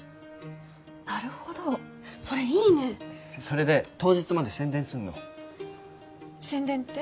なるほどそれいいねそれで当日まで宣伝すんの宣伝って？